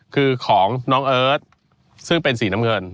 ของเอิร์ชซีน้ำเงิน